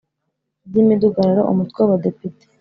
By’imidugararo, Umutwe w’Abadepite